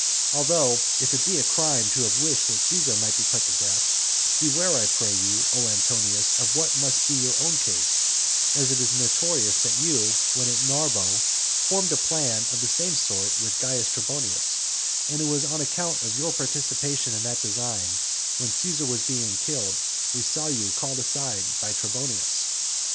Although, if it be a crime to have wished that Caesar might be put to death, beware, I pray you, O Antonius, of what must be your own case, as it is notorious that you, when at Narbo, formed a plan of the same sort with Caius Trebonius; and it was on account of your participation in that design that, when Caesar was being killed, we saw you called aside by Trebonius.